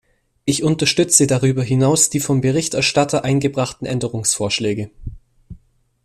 Ich unterstütze darüber hinaus die vom Berichterstatter eingebrachten Änderungsvorschläge.